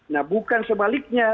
nah bukan sebaliknya